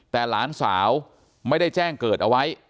แต่หลานสาวไม่ได้แจ้งเกิดเอาไว้